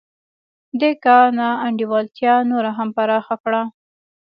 دې کار نا انډولتیا نوره هم پراخه کړه